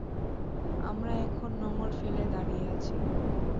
আমরা এখন নোঙর ফেলে দাঁড়িয়ে আছি।